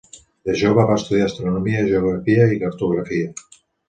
De jove va estudiar astronomia, geografia i cartografia.